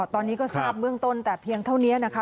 ตอนนี้ก็ทราบเบื้องต้นแต่เพียงเท่านี้นะคะ